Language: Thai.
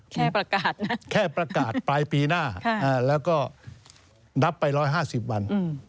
แค่ประกาศนะแค่ประกาศปลายปีหน้าแล้วก็นับไป๑๕๐วัน